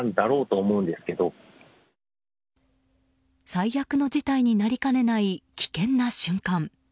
最悪の事態になりかねない危険な瞬間。